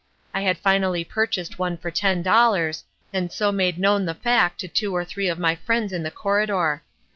I had finally purchased one for ten dollars, and so made known the fact to two or three of my friends in the corridor.